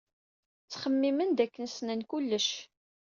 Ttxemmimen dakken ssnen kullec.